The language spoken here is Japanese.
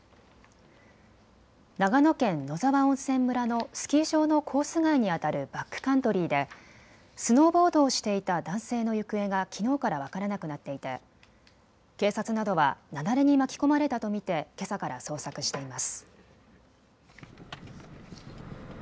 長野県野沢温泉村のスキー場のコース外にあたるバックカントリーでスノーボードをしていた男性の行方がきのうから分からなくなっていて警察などは雪崩に巻き込まれたと見てけさから捜索しています。